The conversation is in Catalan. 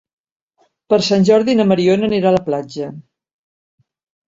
Per Sant Jordi na Mariona anirà a la platja.